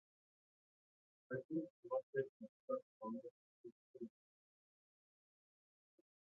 I go to market with that commodity so received.